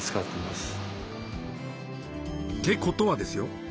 ってことはですよ